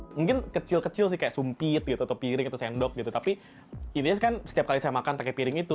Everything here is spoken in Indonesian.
mungkin kecil kecil sih kayak sumpit gitu atau piring atau sendok gitu tapi intinya kan setiap kali saya makan pakai piring itu